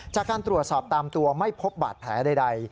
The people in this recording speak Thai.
จากการตรวจสอบตามตัวไม่พบบาดแผลใด